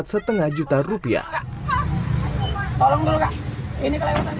tolong dong kak ini kelewatan